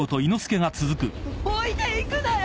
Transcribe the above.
お置いていくなよ！